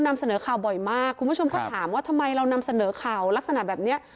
มากคุณผู้ชมเขาถามว่าทำไมเรานำเสนอข่าวลักษณะแบบนี้